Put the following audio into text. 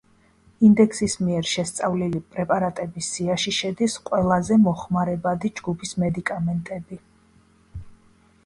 ინდექსის მიერ შესწავლილი პრეპარატების სიაში შედის ყველაზე მოხმარებადი ჯგუფის მედიკამენტები.